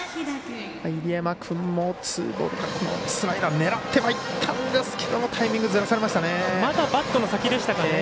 入山君もツーボールからスライダー狙ってはいたんですけどタイミング、ずらされましたね。